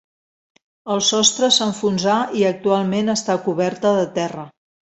El sostre s'enfonsà i actualment està coberta de terra.